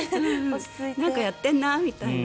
なんかやってるな、みたいな。